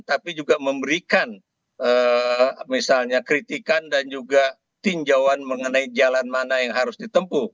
tapi juga memberikan misalnya kritikan dan juga tinjauan mengenai jalan mana yang harus ditempuh